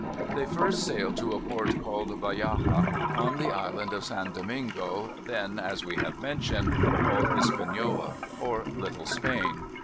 They first sailed to a port called Bayaha, on the Island of San Domingo, then, as we have mentioned, called Hispaniola; or Little Spain.